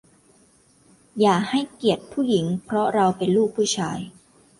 อย่าให้เกียรติผู้หญิงเพราะเราเป็นลูกผู้ชาย